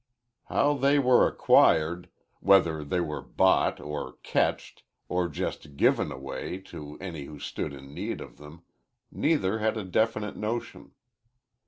How they were acquired whether they were bought or "ketched" or just given away to any who stood in need of them neither had a definite notion.